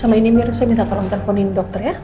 sama ini mir saya minta tolong teleponin dokter ya